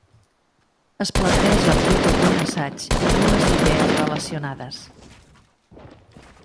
Es planteja el títol d'un assaig i dues idees relacionades.